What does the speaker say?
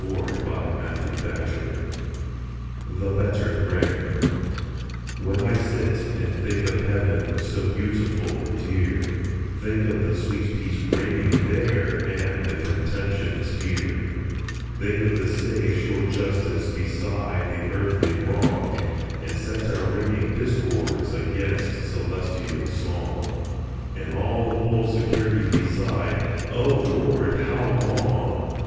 THE BETTER PRAYER 57 THE BETTER PRAYER WHEN I sit and think of heaven so beautiful and dear, Think of the sweet peace reigning there and the conten tions here, Think of the safe, sure justice beside the earthly wrong, And set our ringing discords against celestial song, And all the full securities beside " O Lord, how long